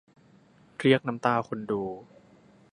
เรียกน้ำตาคนดู